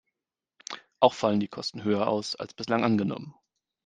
Auch fallen die Kosten höher aus, als bislang angenommen.